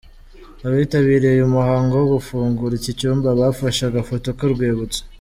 Abitabiriye uyu muhango wo gufungura iki cyumba bafashe agafoto ku rwibutso.